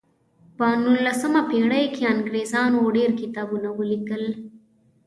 په نولسمه پیړۍ کې انګریزانو ډیر کتابونه ولیکل.